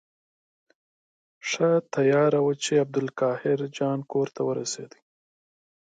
ښه تیاره وه چې عبدالقاهر جان کور ته ورسېدو.